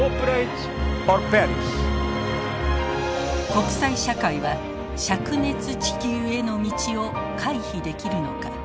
国際社会は灼熱地球への道を回避できるのか。